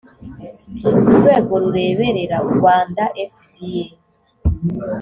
urwego rureberera rwanda fda